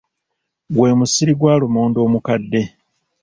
Gwe musiri gwa lumonde omukadde.